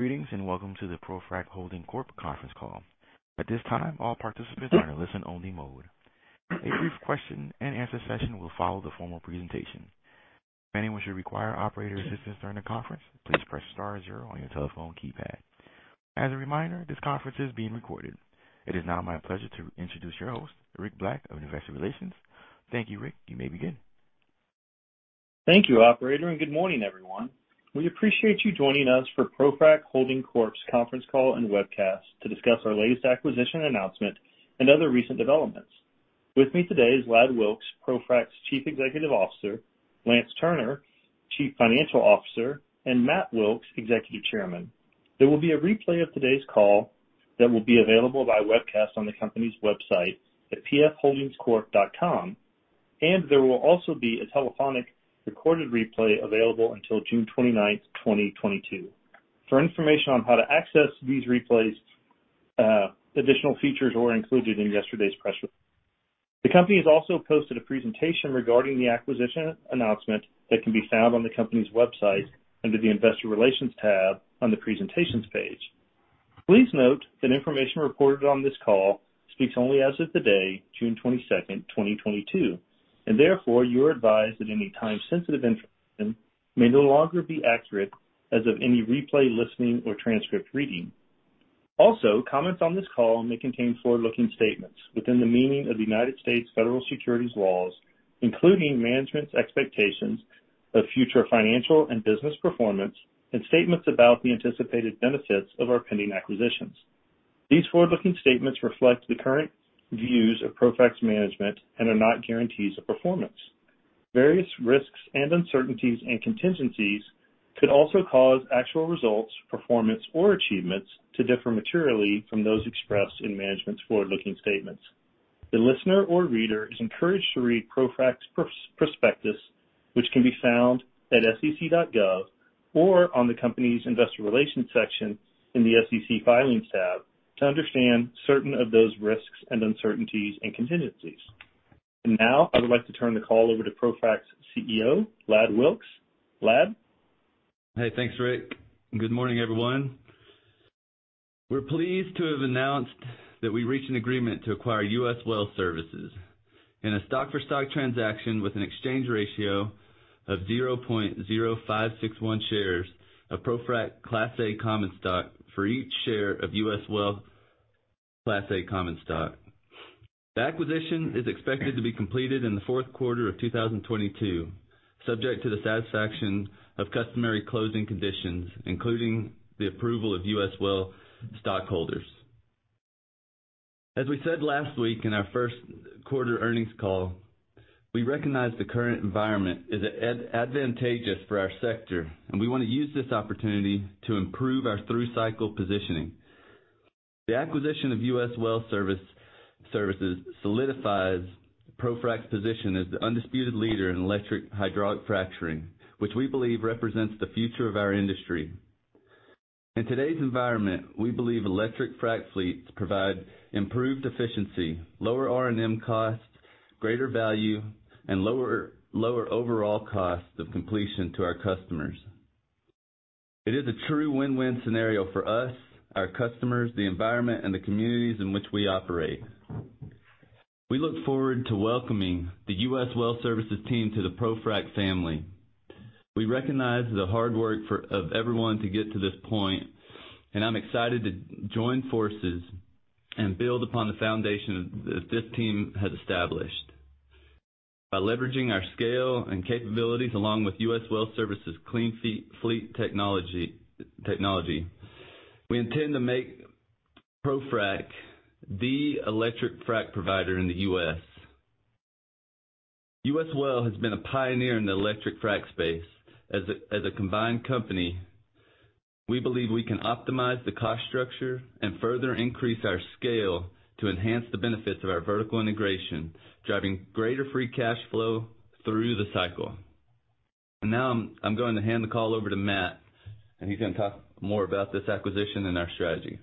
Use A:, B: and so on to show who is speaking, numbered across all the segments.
A: Greetings, and welcome to the ProFrac Holding Corp conference call. At this time, all participants are in listen only mode. A brief question and answer session will follow the formal presentation. If anyone should require operator assistance during the conference, please press star zero on your telephone keypad. As a reminder, this conference is being recorded. It is now my pleasure to introduce your host, Rick Black of Investor Relations. Thank you, Rick. You may begin.
B: Thank you, operator, and good morning, everyone. We appreciate you joining us for ProFrac Holding Corp's conference call and webcast to discuss our latest acquisition announcement and other recent developments. With me today is Ladd Wilks, ProFrac's Chief Executive Officer, Lance Turner, Chief Financial Officer, and Matt Wilks, Executive Chairman. There will be a replay of today's call that will be available via webcast on the company's website at pfholdingscorp.com, and there will also be a telephonic recorded replay available until June 29, 2022. For information on how to access these replays, additional features were included in yesterday's press release. The company has also posted a presentation regarding the acquisition announcement that can be found on the company's website under the Investor Relations tab on the Presentations page. Please note that information reported on this call speaks only as of today, June 22nd, 2022, and therefore you are advised that any time-sensitive information may no longer be accurate as of any replay, listening or transcript reading. Also, comments on this call may contain forward-looking statements within the meaning of the United States federal securities laws, including management's expectations of future financial and business performance and statements about the anticipated benefits of our pending acquisitions. These forward-looking statements reflect the current views of ProFrac's management and are not guarantees of performance. Various risks and uncertainties and contingencies could also cause actual results, performance or achievements to differ materially from those expressed in management's forward-looking statements. The listener or reader is encouraged to read ProFrac's prospectus, which can be found at sec.gov or on the company's Investor Relations section in the SEC Filings tab to understand certain of those risks and uncertainties and contingencies. Now I would like to turn the call over to ProFrac's CEO, Ladd Wilks. Ladd?
C: Hey, thanks, Rick, and good morning, everyone. We're pleased to have announced that we reached an agreement to acquire U.S. Well Services in a stock for stock transaction with an exchange ratio of 0.0561 shares of ProFrac Class A common stock for each share of U.S. Well Services Class A common stock. The acquisition is expected to be completed in the fourth quarter of 2022, subject to the satisfaction of customary closing conditions, including the approval of U.S. Well Services stockholders. As we said last week in our first quarter earnings call, we recognize the current environment is advantageous for our sector and we wanna use this opportunity to improve our through cycle positioning. The acquisition of U.S. Well Services solidifies ProFrac's position as the undisputed leader in electric hydraulic fracturing, which we believe represents the future of our industry. In today's environment, we believe electric frac fleets provide improved efficiency, lower R&M costs, greater value, and lower overall costs of completion to our customers. It is a true win-win scenario for us, our customers, the environment and the communities in which we operate. We look forward to welcoming the U.S. Well Services team to the ProFrac family. We recognize the hard work of everyone to get to this point, and I'm excited to join forces and build upon the foundation that this team has established. By leveraging our scale and capabilities along with U.S. Well Services Clean Fleet technology, we intend to make ProFrac the electric frac provider in the U.S. U.S. Well has been a pioneer in the electric frac space. As a combined company, we believe we can optimize the cost structure and further increase our scale to enhance the benefits of our vertical integration, driving greater free cash flow through the cycle. Now I'm going to hand the call over to Matt and he's gonna talk more about this acquisition and our strategy.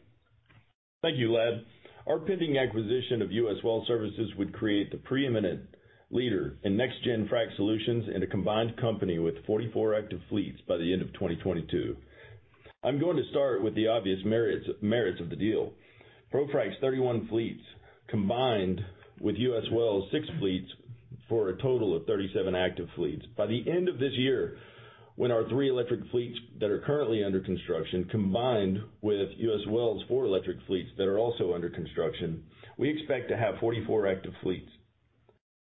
D: Thank you, Ladd. Our pending acquisition of U.S. Well Services would create the preeminent leader in next gen frac solutions in a combined company with 44 active fleets by the end of 2022. I'm going to start with the obvious merits of the deal. ProFrac's 31 fleets combined with U.S. Well's 6 fleets for a total of 37 active fleets. By the end of this year, when our three electric fleets that are currently under construction, combined with U.S. Well's four electric fleets that are also under construction, we expect to have 44 active fleets.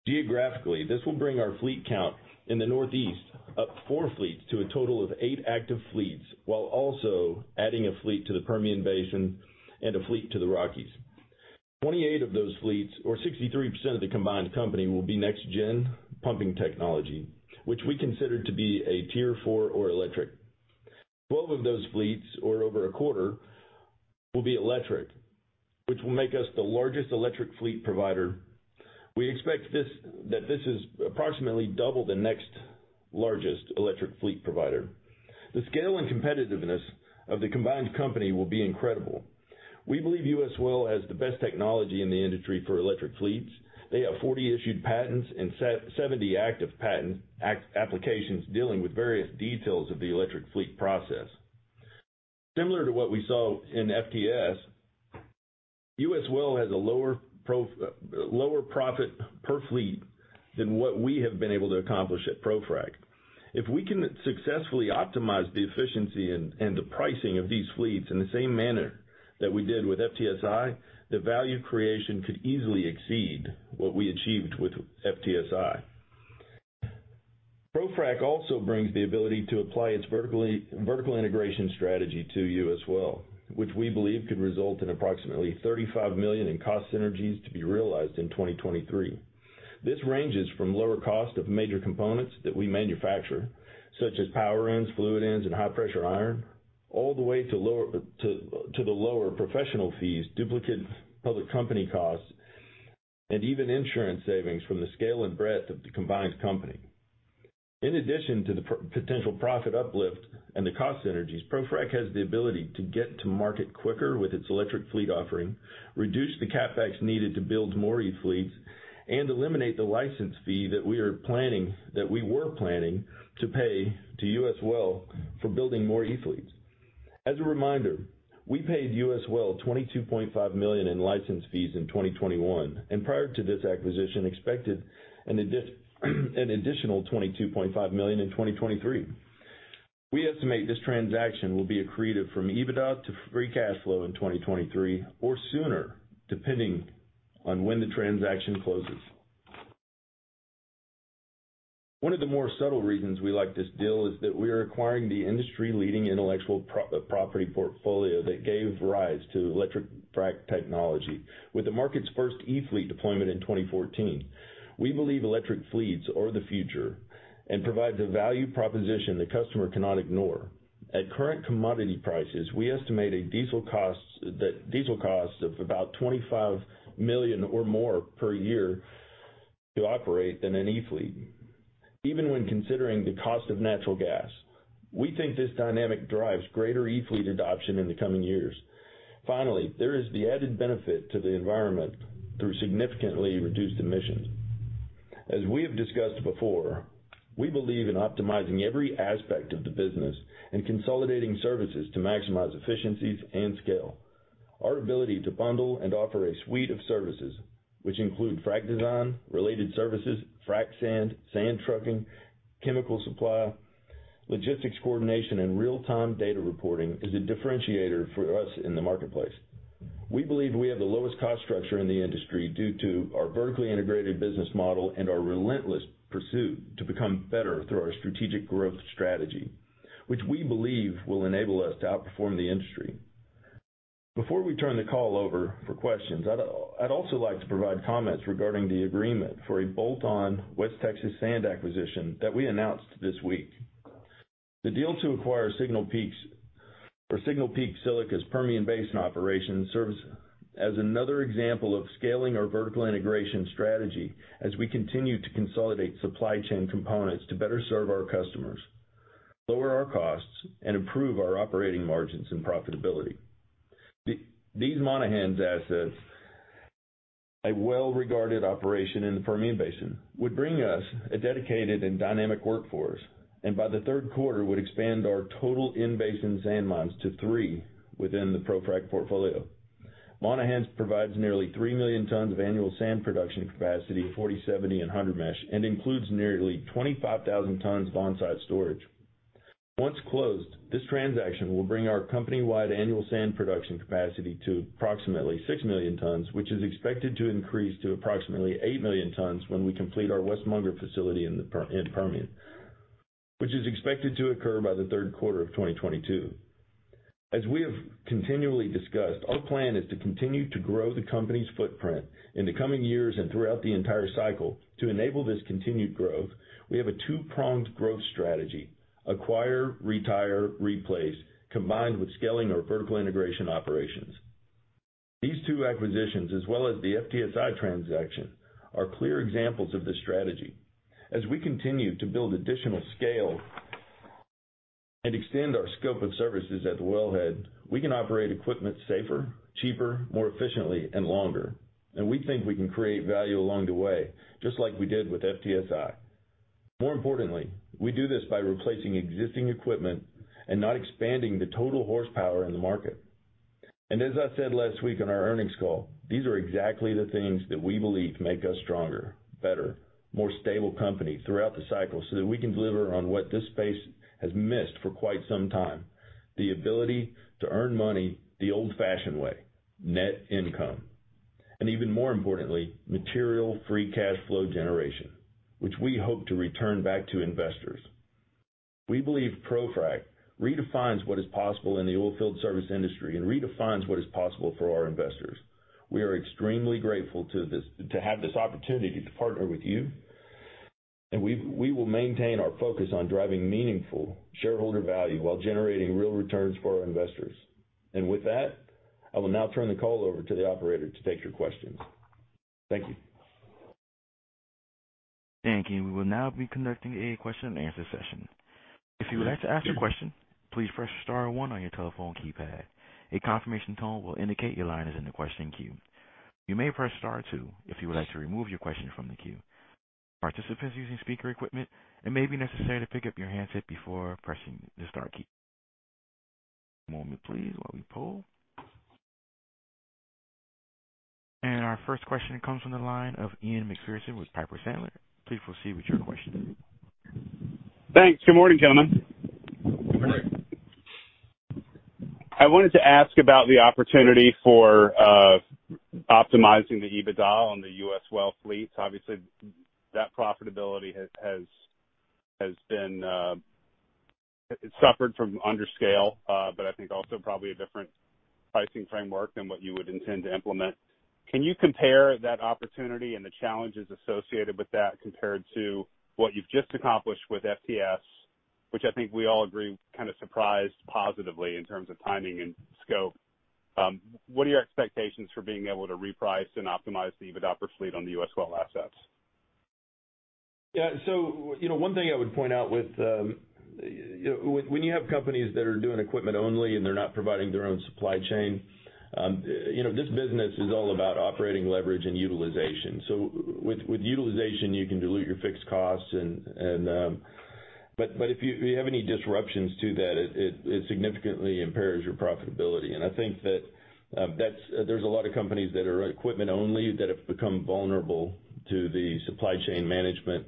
D: Geographically, this will bring our fleet count in the Northeast up four fleets to a total of eight active fleets, while also adding a fleet to the Permian Basin and a fleet to the Rockies. 28 of those fleets or 63% of the combined company will be next-gen pumping technology, which we consider to be a Tier 4 or Electric. 12 of those fleets or over a quarter will be Electric, which will make us the largest electric fleet provider. We expect that this is approximately double the next largest electric fleet provider. The scale and competitiveness of the combined company will be incredible. We believe U.S. Well Services has the best technology in the industry for electric fleets. They have 40 issued patents and 70 active patent applications dealing with various details of the electric fleet process. Similar to what we saw in FTSI, U.S. Well Services has a lower profit per fleet than what we have been able to accomplish at ProFrac. If we can successfully optimize the efficiency and the pricing of these fleets in the same manner that we did with FTSI, the value creation could easily exceed what we achieved with FTSI. ProFrac also brings the ability to apply its vertical integration strategy to U.S. Well Services, which we believe could result in approximately $35 million in cost synergies to be realized in 2023. This ranges from lower cost of major components that we manufacture, such as power ends, fluid ends, and high-pressure iron, all the way to the lower professional fees, duplicate public company costs, and even insurance savings from the scale and breadth of the combined company. In addition to the potential profit uplift and the cost synergies, ProFrac has the ability to get to market quicker with its electric fleet offering, reduce the CapEx needed to build more e-fleets, and eliminate the license fee that we were planning to pay to U.S. Well Services for building more e-fleets. As a reminder, we paid U.S. Well Services $22.5 million in 2021, and prior to this acquisition, expected an additional $22.5 million in 2023. We estimate this transaction will be accretive from EBITDA to free cash flow in 2023 or sooner, depending on when the transaction closes. One of the more subtle reasons we like this deal is that we are acquiring the industry-leading intellectual property portfolio that gave rise to electric frac technology. With the market's first e-fleet deployment in 2014, we believe electric fleets are the future and provide the value proposition the customer cannot ignore. At current commodity prices, we estimate that diesel costs of about $25 million or more per year to operate than an e-fleet. Even when considering the cost of natural gas, we think this dynamic drives greater e-fleet adoption in the coming years. Finally, there is the added benefit to the environment through significantly reduced emissions. As we have discussed before, we believe in optimizing every aspect of the business and consolidating services to maximize efficiencies and scale. Our ability to bundle and offer a suite of services, which include frac design, related services, frac sand trucking, chemical supply, logistics coordination, and real-time data reporting, is a differentiator for us in the marketplace. We believe we have the lowest cost structure in the industry due to our vertically integrated business model and our relentless pursuit to become better through our strategic growth strategy, which we believe will enable us to outperform the industry. Before we turn the call over for questions, I'd also like to provide comments regarding the agreement for a bolt-on West Texas sand acquisition that we announced this week. The deal to acquire Signal Peak Silica's Permian Basin operation serves as another example of scaling our vertical integration strategy as we continue to consolidate supply chain components to better serve our customers, lower our costs, and improve our operating margins and profitability. These Monahans assets, a well-regarded operation in the Permian Basin, would bring us a dedicated and dynamic workforce, and by the third quarter, would expand our total in-basin sand mines to three within the ProFrac portfolio. Monahans provides nearly 3 million tons of annual sand production capacity, 40, 70, and 100 mesh, and includes nearly 25,000 tons of on-site storage. Once closed, this transaction will bring our company-wide annual sand production capacity to approximately 6 million tons, which is expected to increase to approximately 8 million tons when we complete our West Munger facility in the Permian, which is expected to occur by the third quarter of 2022. As we have continually discussed, our plan is to continue to grow the company's footprint in the coming years and throughout the entire cycle. To enable this continued growth, we have a two-pronged growth strategy, Acquire, Retire, Replace, combined with scaling our vertical integration operations. These two acquisitions, as well as the FTSI transaction, are clear examples of this strategy. As we continue to build additional scale and extend our scope of services at the wellhead, we can operate equipment safer, cheaper, more efficiently and longer. We think we can create value along the way, just like we did with FTSI. More importantly, we do this by replacing existing equipment and not expanding the total horsepower in the market. As I said last week on our earnings call, these are exactly the things that we believe make us stronger, better, more stable company throughout the cycle, so that we can deliver on what this space has missed for quite some time. The ability to earn money the old-fashioned way, net income, and even more importantly, material free cash flow generation, which we hope to return back to investors. We believe ProFrac redefines what is possible in the oil field service industry and redefines what is possible for our investors. We are extremely grateful to have this opportunity to partner with you, and we will maintain our focus on driving meaningful shareholder value while generating real returns for our investors. With that, I will now turn the call over to the operator to take your questions. Thank you.
A: Thank you. We will now be conducting a question-and-answer session. If you would like to ask your question, please press star one on your telephone keypad. A confirmation tone will indicate your line is in the question queue. You may press star two if you would like to remove your question from the queue. Participants using speaker equipment, it may be necessary to pick up your handset before pressing the star key. One moment please while we poll. Our first question comes from the line of Ian Macpherson with Piper Sandler. Please proceed with your question.
E: Thanks. Good morning, gentlemen.
D: Good morning.
E: I wanted to ask about the opportunity for optimizing the EBITDA on the U.S. Well fleet. Obviously, that profitability has been. It suffered from under scale, but I think also probably a different pricing framework than what you would intend to implement. Can you compare that opportunity and the challenges associated with that compared to what you've just accomplished with FTSI, which I think we all agree, kind of surprised positively in terms of timing and scope. What are your expectations for being able to reprice and optimize the EBITDA per fleet on the U.S. Well assets?
D: Yeah. You know, one thing I would point out with, you know, when you have companies that are doing equipment only and they're not providing their own supply chain, you know, this business is all about operating leverage and utilization. With utilization, you can dilute your fixed costs and. If you have any disruptions to that, it significantly impairs your profitability. I think that there is a lot of companies that are equipment only that have become vulnerable to the supply chain management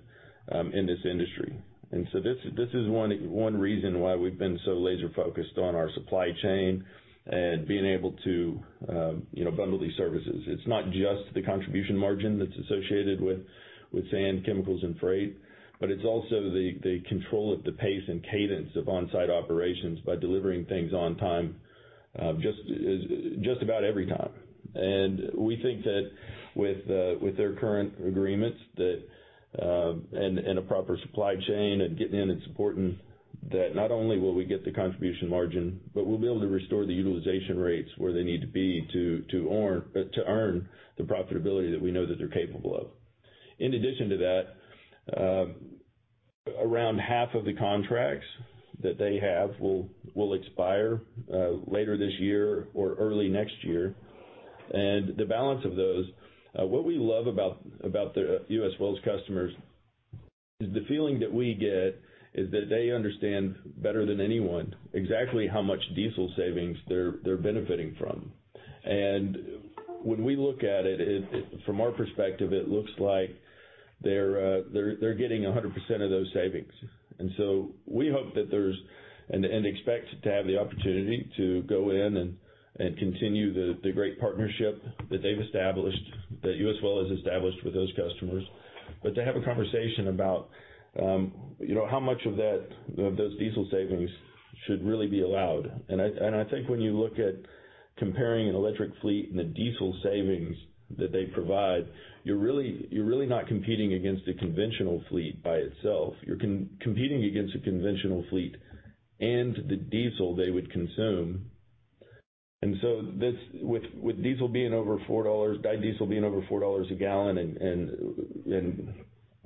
D: in this industry. This is one reason why we've been so laser-focused on our supply chain and being able to, you know, bundle these services. It's not just the contribution margin that's associated with sand, chemicals, and freight, but it's also the control of the pace and cadence of on-site operations by delivering things on time, just about every time. We think that with their current agreements that and a proper supply chain and getting in and supporting, that not only will we get the contribution margin, but we'll be able to restore the utilization rates where they need to be to earn the profitability that we know that they're capable of. In addition to that, around half of the contracts that they have will expire later this year or early next year. The balance of those, what we love about the U.S. Well Services' customers is the feeling that we get is that they understand better than anyone exactly how much diesel savings they're benefiting from. When we look at it from our perspective, it looks like they're getting 100% of those savings. We hope and expect to have the opportunity to go in and continue the great partnership that they've established, that U.S. Well Services has established with those customers. To have a conversation about, you know, how much of those diesel savings should really be allowed. I think when you look at comparing an electric fleet and the diesel savings that they provide, you're really not competing against a conventional fleet by itself. You're competing against a conventional fleet and the diesel they would consume. This, with diesel being over $4, dyed diesel being over $4 a gallon and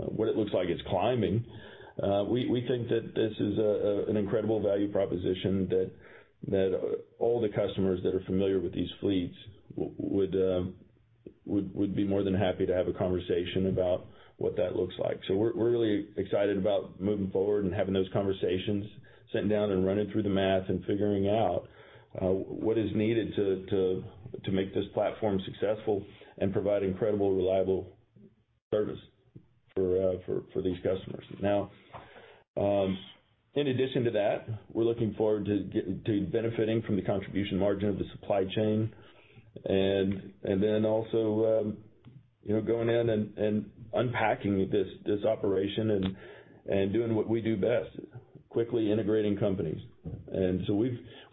D: what it looks like it's climbing, we think that this is an incredible value proposition that all the customers that are familiar with these fleets would be more than happy to have a conversation about what that looks like. We're really excited about moving forward and having those conversations, sitting down and running through the math and figuring out what is needed to make this platform successful and provide incredible, reliable service for these customers. In addition to that, we're looking forward to benefiting from the contribution margin of the supply chain and then also, you know, going in and unpacking this operation and doing what we do best, quickly integrating companies.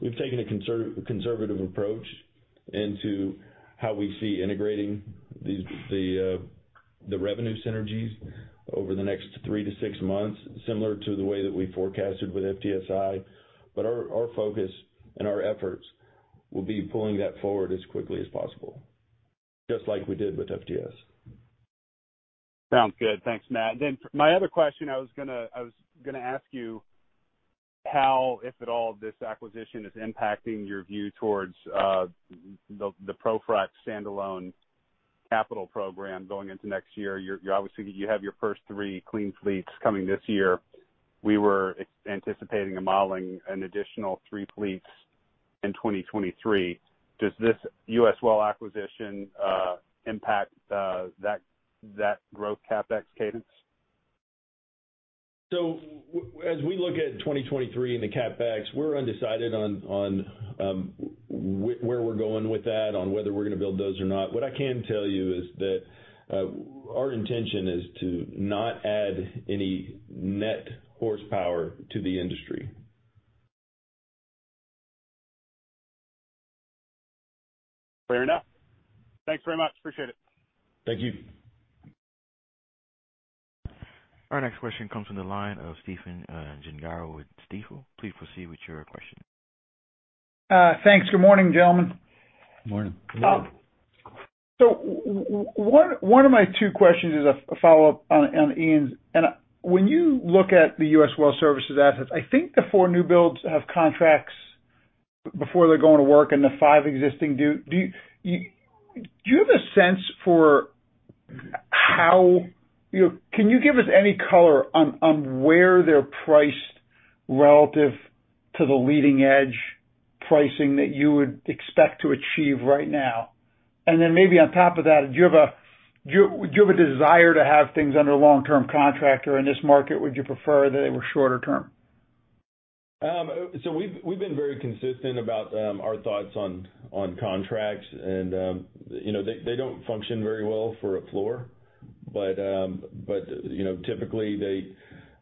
D: We've taken a conservative approach to how we see integrating these revenue synergies over the next three to six months, similar to the way that we forecasted with FTSI. Our focus and our efforts will be pulling that forward as quickly as possible, just like we did with FTS.
E: Sounds good. Thanks, Matt. My other question I was gonna ask you, how, if at all, this acquisition is impacting your view towards the ProFrac standalone capital program going into next year? You're obviously. You have your first three Clean Fleets coming this year. We were anticipating and modeling an additional three fleets in 2023. Does this U.S. Well Services acquisition impact that growth CapEx cadence?
D: As we look at 2023 and the CapEx, we're undecided on where we're going with that, on whether we're gonna build those or not. What I can tell you is that our intention is to not add any net horsepower to the industry.
E: Fair enough. Thanks very much. Appreciate it.
D: Thank you.
A: Our next question comes from the line of Stephen Gengaro with Stifel. Please proceed with your question.
F: Thanks. Good morning, gentlemen.
D: Morning.
F: One of my two questions is a follow-up on Ian's. When you look at the U.S. Well Services assets, I think the four new builds have contracts before they're going to work and the five existing do. Do you have a sense for how you know, can you give us any color on where they're priced relative to the leading edge pricing that you would expect to achieve right now? Then maybe on top of that, do you have a desire to have things under long-term contract or in this market, would you prefer that they were shorter term?
D: We've been very consistent about our thoughts on contracts and, you know, they don't function very well for a floor. You know, typically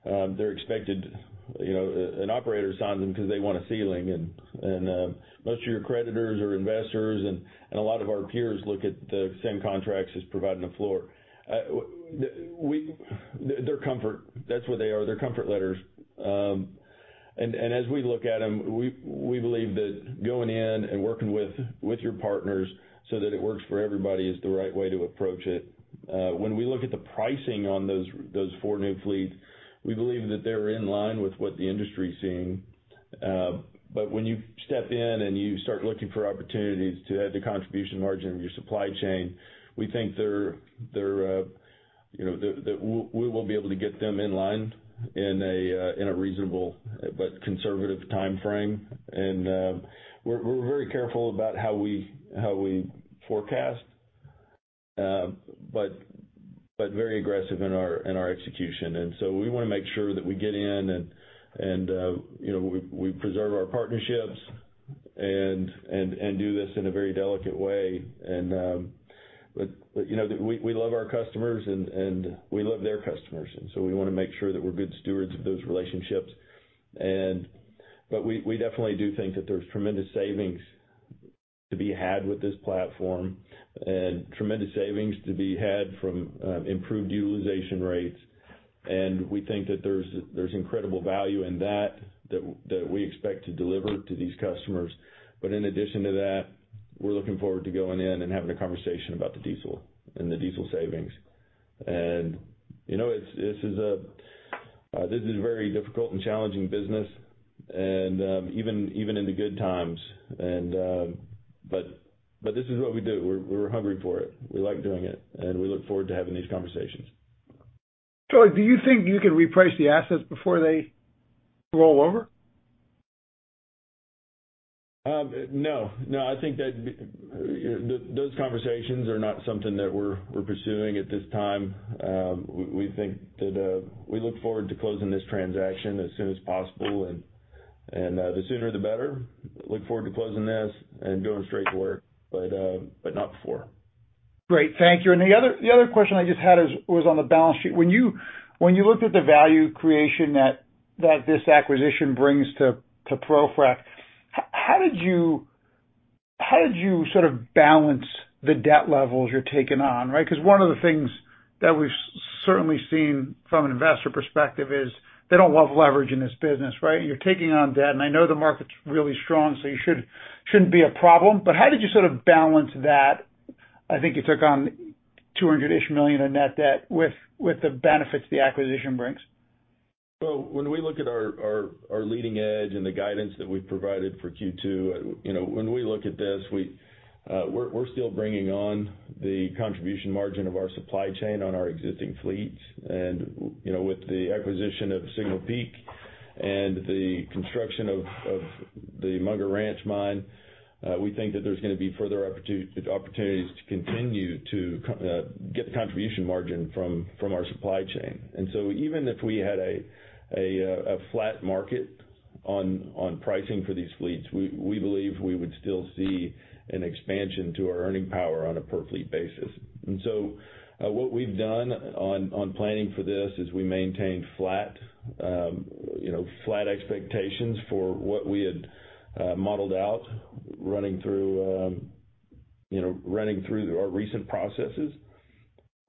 D: they're expected, you know, an operator signs them because they want a ceiling. Most of your creditors or investors and a lot of our peers look at the same contracts as providing a floor. They're comfort. That's what they are. They're comfort letters. As we look at them, we believe that going in and working with your partners so that it works for everybody is the right way to approach it. When we look at the pricing on those four new fleets, we believe that they're in line with what the industry is seeing. But when you step in and you start looking for opportunities to add the contribution margin of your supply chain, we think they're you know that we will be able to get them in line in a reasonable but conservative timeframe. We're very careful about how we forecast, but very aggressive in our execution. We wanna make sure that we get in and you know we preserve our partnerships and do this in a very delicate way. But you know we love our customers and we love their customers, and so we wanna make sure that we're good stewards of those relationships. We definitely do think that there's tremendous savings to be had with this platform and tremendous savings to be had from improved utilization rates. We think that there's incredible value in that we expect to deliver to these customers. In addition to that, we're looking forward to going in and having a conversation about the diesel and the diesel savings. You know, this is a very difficult and challenging business and even in the good times. But this is what we do. We're hungry for it. We like doing it, and we look forward to having these conversations.
F: Matt Wilks, do you think you could reprice the assets before they roll over?
D: No. No, I think those conversations are not something that we're pursuing at this time. We think that we look forward to closing this transaction as soon as possible, and the sooner the better. Look forward to closing this and going straight to work, but not before.
F: Great. Thank you. The other question I just had was on the balance sheet. When you looked at the value creation that this acquisition brings to ProFrac, how did you sort of balance the debt levels you're taking on, right? Because one of the things that we've certainly seen from an investor perspective is they don't love leverage in this business, right? You're taking on debt, and I know the market's really strong, so you shouldn't be a problem. But how did you sort of balance that, I think you took on $200-ish million in net debt, with the benefits the acquisition brings?
D: When we look at our leading edge and the guidance that we've provided for Q2, you know, when we look at this, we're still bringing on the contribution margin of our supply chain on our existing fleets. You know, with the acquisition of Signal Peak and the construction of the West Munger mine, we think that there's gonna be further opportunities to continue to get the contribution margin from our supply chain. Even if we had a flat market on pricing for these fleets, we believe we would still see an expansion to our earning power on a per fleet basis. What we've done on planning for this is we maintained flat expectations for what we had modeled out running through our recent processes.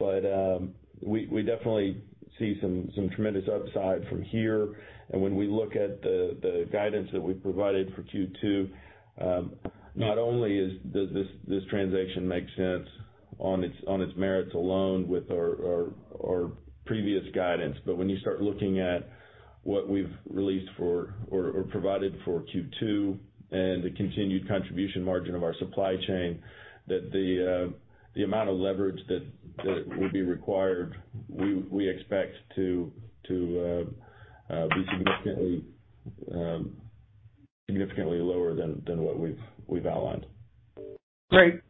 D: You know, we definitely see some tremendous upside from here. When we look at the guidance that we've provided for Q2, not only does this transaction make sense on its merits alone with our previous guidance, but when you start looking at what we've released for or provided for Q2 and the continued contribution margin of our supply chain, that the amount of leverage that would be required, we expect to be significantly lower than what we've outlined.
F: Great.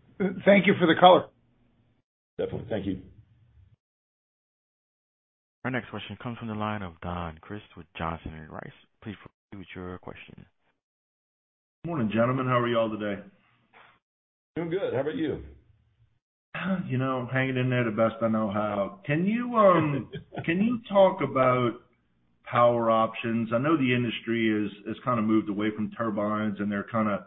F: Thank you for the color.
D: Definitely. Thank you.
A: Our next question comes from the line of Don Crist with Johnson Rice. Please proceed with your question.
G: Morning, gentlemen. How are y'all today?
D: Doing good. How about you?
G: You know, hanging in there the best I know how. Can you talk about power options? I know the industry is kind of moved away from turbines, and they're kind of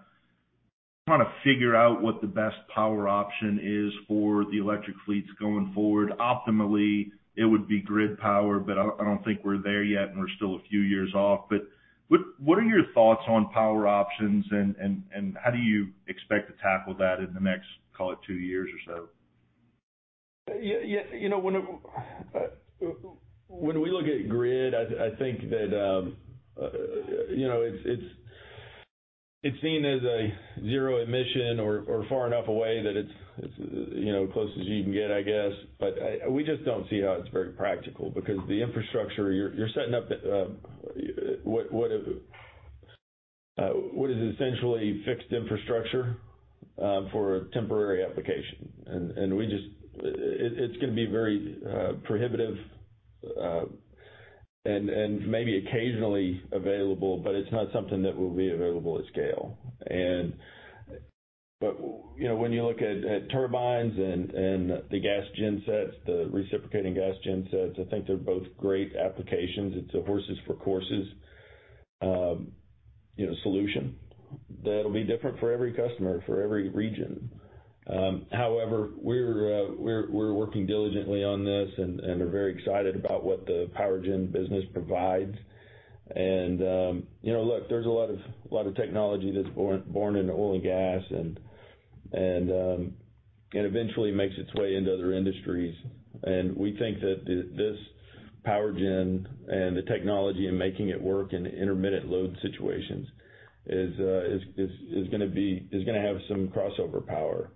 G: trying to figure out what the best power option is for the electric fleets going forward. Optimally, it would be grid power, but I don't think we're there yet, and we're still a few years off. What are your thoughts on power options and how do you expect to tackle that in the next, call it two years or so?
D: You know, when we look at grid, I think that, you know, it's seen as a zero emission or far enough away that it's, you know, close as you can get, I guess. We just don't see how it's very practical because the infrastructure you're setting up, what is essentially fixed infrastructure, for a temporary application. It's gonna be very prohibitive and maybe occasionally available, but it's not something that will be available at scale. You know, when you look at turbines and the gas gen-sets, the reciprocating gas gen-sets, I think they're both great applications. It's a horses for courses, you know, solution that'll be different for every customer, for every region. However, we're working diligently on this and are very excited about what the power gen business provides. You know, look, there's a lot of technology that's born into oil and gas and eventually makes its way into other industries. We think that this power gen and the technology and making it work in intermittent load situations is gonna have some crossover power.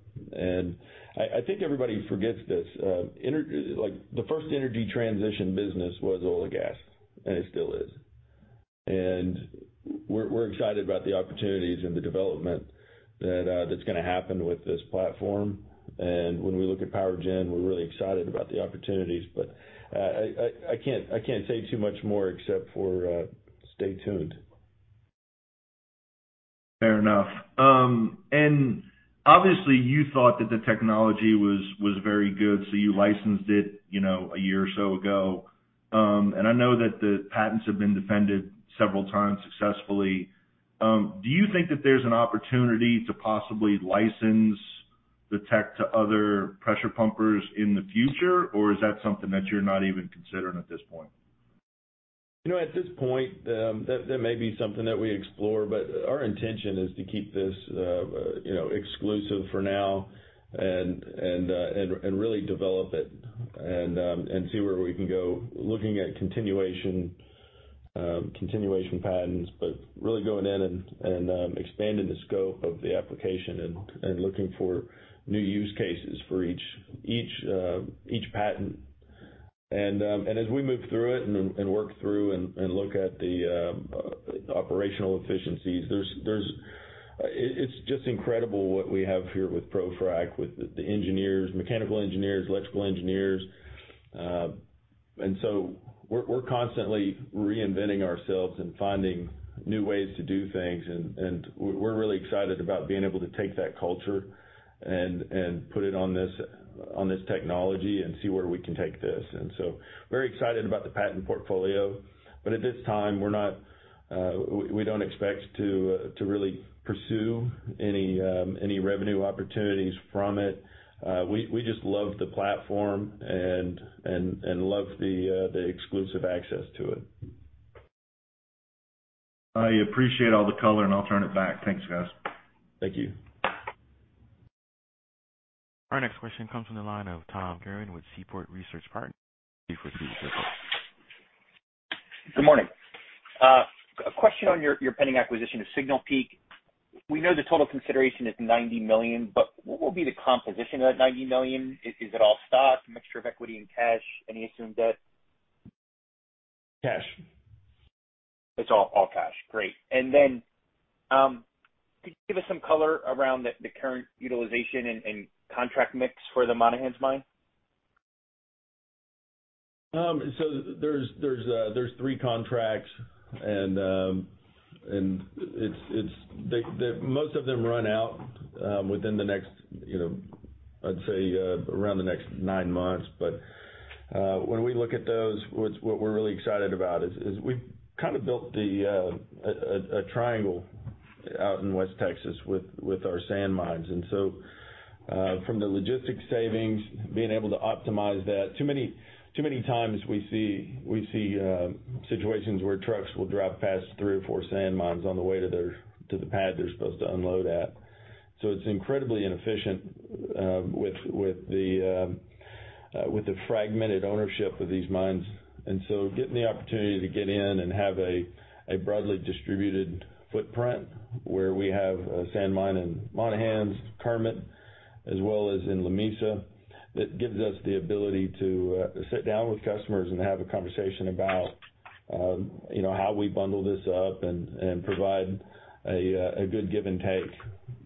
D: I think everybody forgets this. Like the first energy transition business was oil and gas, and it still is. We're excited about the opportunities and the development that's gonna happen with this platform. When we look at power gen, we're really excited about the opportunities. I can't say too much more except for stay tuned.
G: Fair enough. Obviously, you thought that the technology was very good, so you licensed it, you know, a year or so ago. I know that the patents have been defended several times successfully. Do you think that there's an opportunity to possibly license the tech to other pressure pumpers in the future, or is that something that you're not even considering at this point?
D: You know, at this point, that may be something that we explore, but our intention is to keep this, you know, exclusive for now and really develop it and see where we can go looking at continuation patents, but really going in and expanding the scope of the application and looking for new use cases for each patent. As we move through it and work through and look at the operational efficiencies, there's just incredible what we have here with ProFrac, with the engineers, mechanical engineers, electrical engineers. We're constantly reinventing ourselves and finding new ways to do things and we're really excited about being able to take that culture and put it on this technology and see where we can take this. We're excited about the patent portfolio, but at this time, we don't expect to really pursue any revenue opportunities from it. We just love the platform and love the exclusive access to it.
G: I appreciate all the color, and I'll turn it back. Thanks, guys. Thank you.
A: Our next question comes from the line of Tom Curran with Seaport Research Partners.
H: Good morning. A question on your pending acquisition of Signal Peak Silica. We know the total consideration is $90 million, but what will be the composition of that $90 million? Is it all stock, mixture of equity and cash? Any assumed debt?
D: Cash. It's all cash.
H: Great. Then, could you give us some color around the current utilization and contract mix for the Monahans Mine?
D: So there's three contracts and it's. Most of them run out within the next, you know, I'd say, around the next nine months. When we look at those, what we're really excited about is we've kind of built a triangle out in West Texas with our sand mines. From the logistics savings, being able to optimize that. Too many times we see situations where trucks will drive past three or four sand mines on the way to the pad they're supposed to unload at. It's incredibly inefficient with the fragmented ownership of these mines. Getting the opportunity to get in and have a broadly distributed footprint where we have a sand mine in Monahans, Kermit, as well as in Lamesa, that gives us the ability to sit down with customers and have a conversation about, you know, how we bundle this up and provide a good give and take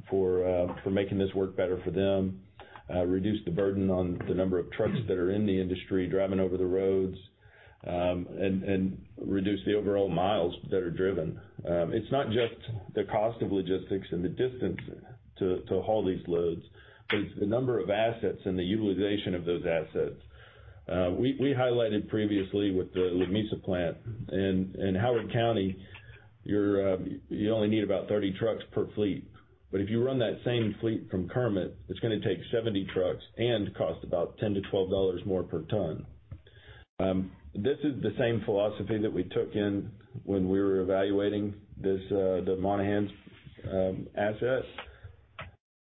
D: for making this work better for them, reduce the burden on the number of trucks that are in the industry driving over the roads, and reduce the overall miles that are driven. It's not just the cost of logistics and the distance to haul these loads, but it's the number of assets and the utilization of those assets. We highlighted previously with the Lamesa plant. In Howard County, you only need about 30 trucks per fleet. If you run that same fleet from Kermit, it's gonna take 70 trucks and cost about $10-$12 more per ton. This is the same philosophy that we took in when we were evaluating this, the Monahans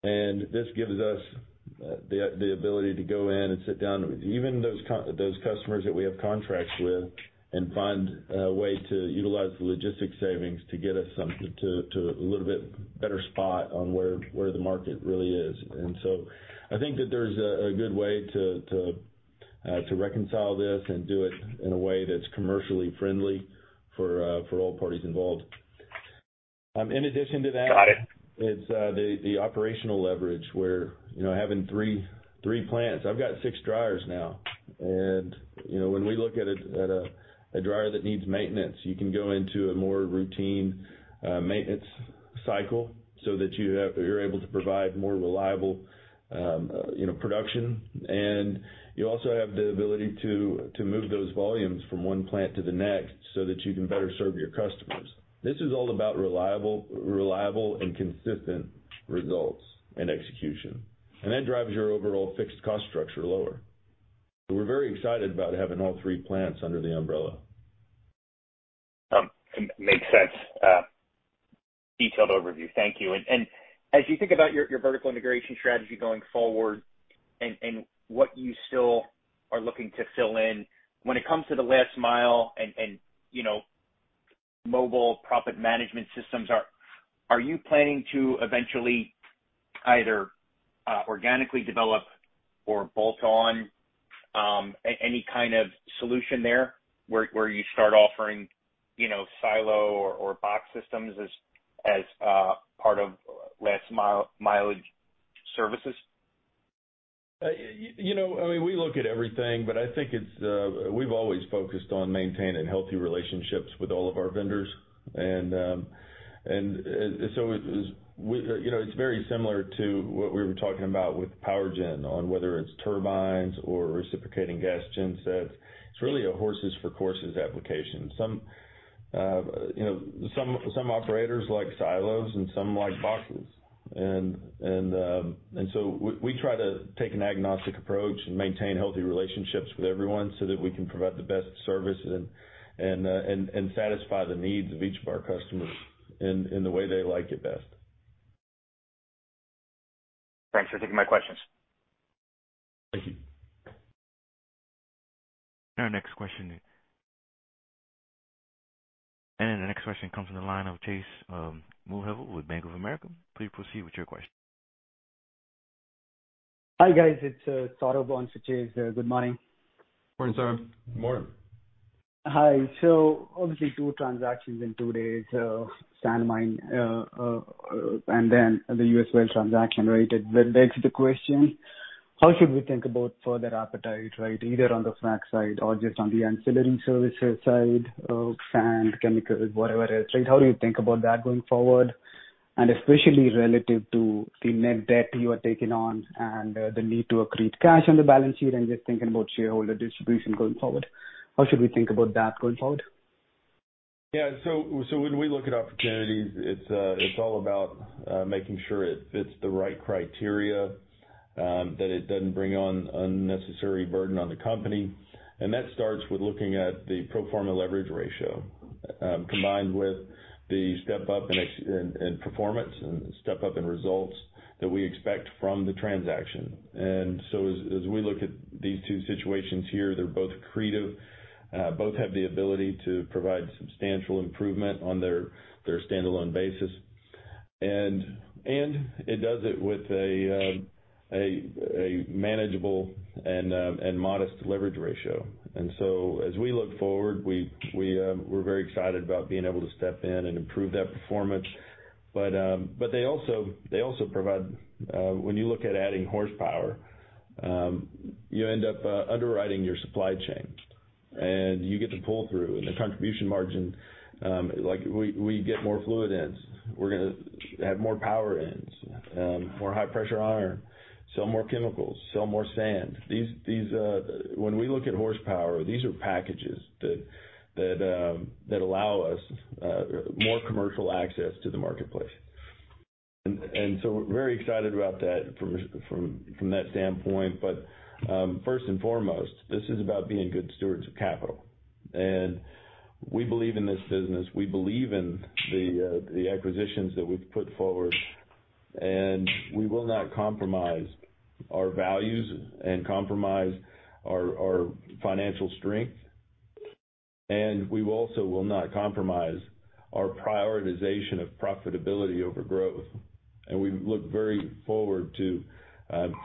D: asset. This gives us the ability to go in and sit down with even those customers that we have contracts with and find a way to utilize the logistics savings to get us to a little bit better spot on where the market really is. I think that there's a good way to reconcile this and do it in a way that's commercially friendly for all parties involved. In addition to that.
H: Got it.
D: It's the operational leverage where, you know, having three plants. I've got six dryers now. You know, when we look at a dryer that needs maintenance, you can go into a more routine maintenance cycle so that you have. You're able to provide more reliable, you know, production. You also have the ability to move those volumes from one plant to the next so that you can better serve your customers. This is all about reliable and consistent results and execution. That drives your overall fixed cost structure lower. We're very excited about having all three plants under the umbrella.
H: Makes sense. Detailed overview. Thank you. As you think about your vertical integration strategy going forward and what you still are looking to fill in, when it comes to the last mile and you know, mobile proppant management systems, are you planning to eventually either organically develop or bolt on any kind of solution there where you start offering, you know, silo or box systems as part of last mile services?
D: You know, I mean, we look at everything, but I think it's. We've always focused on maintaining healthy relationships with all of our vendors. It's very similar to what we were talking about with power gen on whether it's turbines or reciprocating gas gen sets. It's really a horses for courses application. Some, you know, some operators like silos and some like boxes. We try to take an agnostic approach and maintain healthy relationships with everyone so that we can provide the best service and satisfy the needs of each of our customers in the way they like it best.
H: Thanks for taking my questions.
D: Thank you.
A: Our next question. The next question comes from the line of Chase Mulvehill with Bank of America. Please proceed with your question.
I: Hi, guys. It's Saurabh on for Chase. Good morning.
D: Morning, Saurabh.
I: Morning. Hi. Obviously two transactions in two days, sand mine, and then the U.S. Well Services transaction, right? It then begs the question, how should we think about further appetite, right? Either on the frac side or just on the ancillary services side of sand, chemicals, whatever it is, right? How do you think about that going forward? Especially relative to the net debt you are taking on and the need to accrete cash on the balance sheet and just thinking about shareholder distribution going forward. How should we think about that going forward?
D: Yeah. When we look at opportunities, it's all about making sure it fits the right criteria, that it doesn't bring on unnecessary burden on the company. That starts with looking at the pro forma leverage ratio, combined with the step up in performance and step up in results that we expect from the transaction. As we look at these two situations here, they're both accretive, both have the ability to provide substantial improvement on their standalone basis. It does it with a manageable and modest leverage ratio. As we look forward, we're very excited about being able to step in and improve that performance. They also provide, when you look at adding horsepower, you end up underwriting your supply chain. You get the pull-through and the contribution margin, like we get more fluid ends. We're gonna have more power ends, more high-pressure iron, sell more chemicals, sell more sand. These, when we look at horsepower, are packages that allow us more commercial access to the marketplace. So we're very excited about that from that standpoint. First and foremost, this is about being good stewards of capital. We believe in this business, we believe in the acquisitions that we've put forward, and we will not compromise our values and compromise our financial strength. We also will not compromise our prioritization of profitability over growth. We look very forward to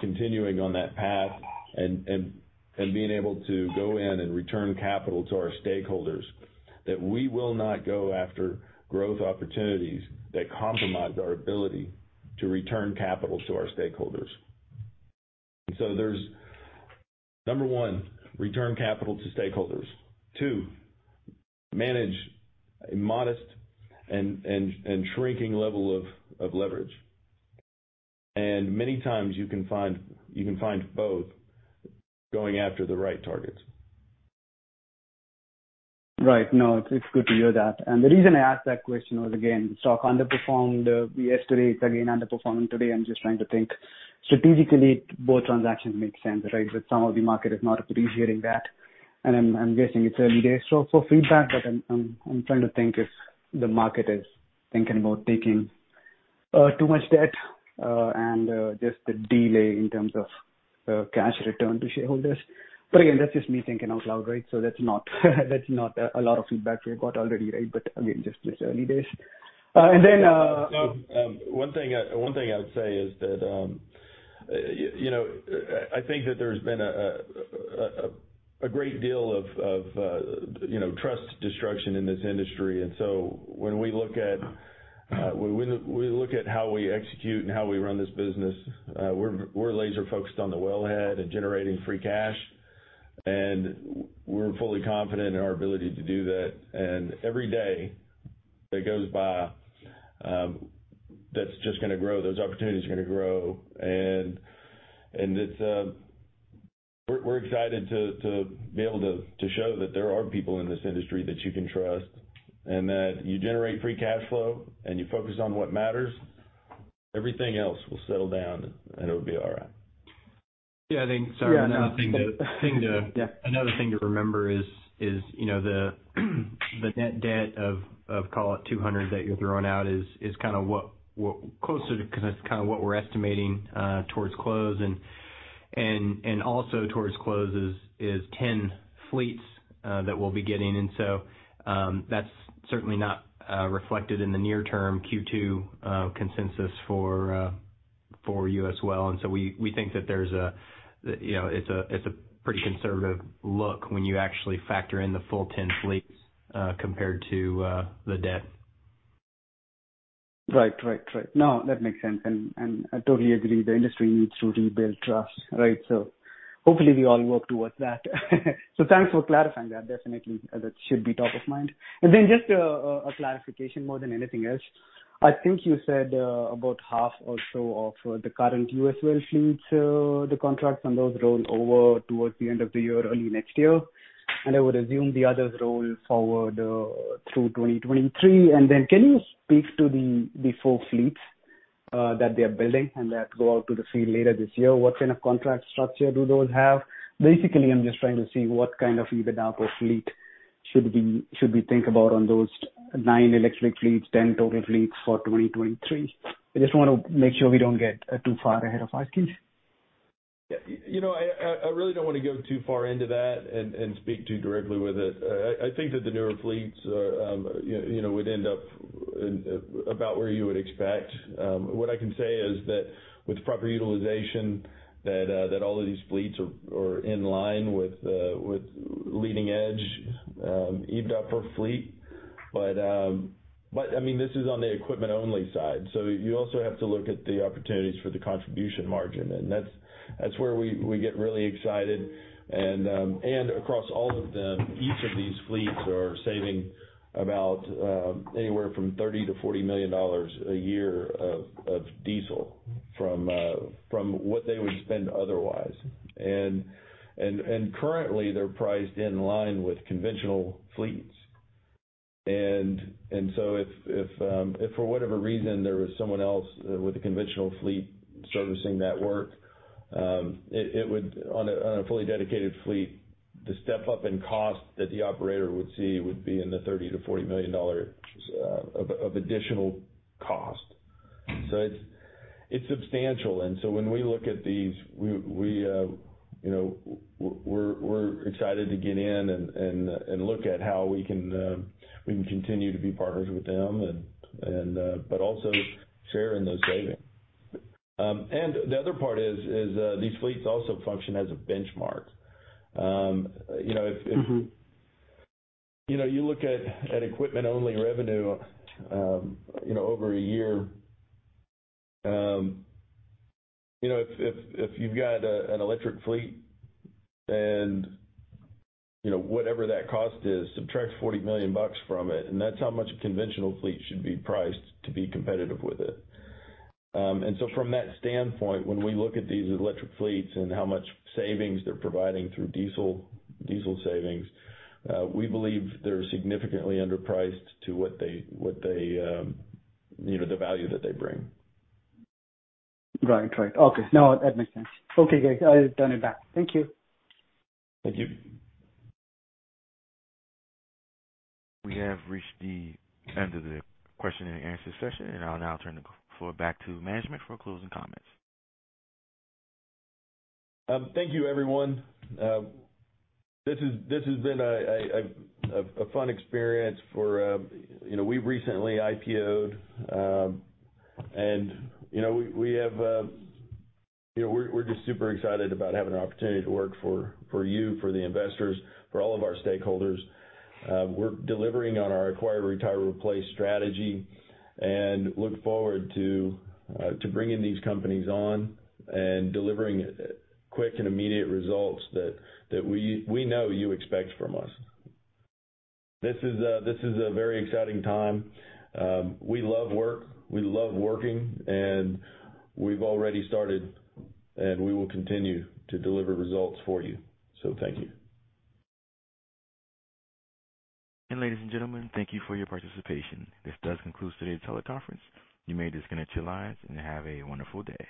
D: continuing on that path and being able to go in and return capital to our stakeholders that we will not go after growth opportunities that compromise our ability to return capital to our stakeholders. There's number one, return capital to stakeholders. Two, manage a modest and shrinking level of leverage. Many times you can find both going after the right targets.
I: Right. No, it's good to hear that. The reason I asked that question was, again, stock underperformed yesterday. It's again underperforming today. I'm just trying to think strategically, both transactions make sense, right? Some of the market is not appreciating that, and I'm guessing it's early days. For feedback, but I'm trying to think if the market is thinking about taking too much debt and just the delay in terms of cash return to shareholders. Again, that's just me thinking out loud, right? That's not a lot of feedback we've got already, right? Again, just it's early days.
D: One thing I would say is that, you know, I think that there's been a great deal of, you know, trust destruction in this industry. When we look at how we execute and how we run this business, we're laser focused on the wellhead and generating free cash. We're fully confident in our ability to do that. Every day that goes by, that's just gonna grow, those opportunities are gonna grow. We're excited to be able to show that there are people in this industry that you can trust, and that you generate free cash flow and you focus on what matters, everything else will settle down and it'll be all right.
I: Sorry.
D: Another thing to remember is, you know, the net debt of call it $200 that you're throwing out is kinda what closer to kinda what we're estimating towards close and also towards close is 10 fleets that we'll be getting. That's certainly not reflected in the near term Q2 consensus for U.S. Well Services. We think that there's a, you know, it's a pretty conservative look when you actually factor in the full 10 fleets compared to the debt.
I: Right. No, that makes sense. I totally agree. The industry needs to rebuild trust, right? Hopefully we all work towards that. Thanks for clarifying that. Definitely that should be top of mind. Then just a clarification more than anything else. I think you said about half or so of the current U.S. Well Services fleets, the contracts on those roll over towards the end of the year, early next year. I would assume the others roll forward through 2023. Then can you speak to the four fleets that they are building and that go out to the field later this year? What kind of contract structure do those have? Basically, I'm just trying to see what kind of EBITDA per fleet should we think about on those nine electric fleets, 10 total fleets for 2023. I just wanna make sure we don't get too far ahead of ourselves.
D: You know, I really don't wanna go too far into that and speak too directly with it. I think that the newer fleets, you know, would end up about where you would expect. What I can say is that with proper utilization that all of these fleets are in line with leading-edge EBITDA per fleet. I mean, this is on the equipment only side, so you also have to look at the opportunities for the contribution margin. That's where we get really excited. Across all of them, each of these fleets are saving about anywhere from $30 million-$40 million a year of diesel from what they would spend otherwise. Currently, they're priced in line with conventional fleets. If for whatever reason there was someone else with a conventional fleet servicing that work, it would on a fully dedicated fleet, the step up in cost that the operator would see would be in the $30 million-$40 million of additional cost. It's substantial. When we look at these, you know, we're excited to get in and look at how we can continue to be partners with them and but also share in those savings. The other part is these fleets also function as a benchmark.
I: Mm-hmm.
D: You know, you look at equipment only revenue, you know, over a year, you know, if you've got an electric fleet and, you know, whatever that cost is, subtract $40 million from it, and that's how much a conventional fleet should be priced to be competitive with it. From that standpoint, when we look at these electric fleets and how much savings they're providing through diesel savings, we believe they're significantly underpriced to what they the value that they bring.
I: Right. Okay. No, that makes sense. Okay, great. I'll turn it back. Thank you.
D: Thank you.
A: We have reached the end of the question and answer session, and I'll now turn the floor back to management for closing comments.
D: Thank you, everyone. This has been a fun experience for, you know, we've recently IPO, and, you know, we have, you know, we're just super excited about having an opportunity to work for you, for the investors, for all of our stakeholders. We're delivering on our Acquire, Retire, Replace strategy and look forward to bringing these companies on and delivering quick and immediate results that we know you expect from us. This is a very exciting time. We love work, we love working, and we've already started, and we will continue to deliver results for you. Thank you.
A: Ladies and gentlemen, thank you for your participation. This does conclude today's teleconference. You may disconnect your lines and have a wonderful day.